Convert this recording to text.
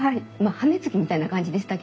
羽根つきみたいな感じでした